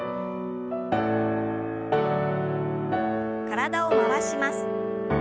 体を回します。